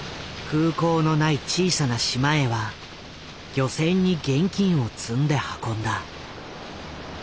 空港のない小さな島へは漁船に現金を積んで運んだ。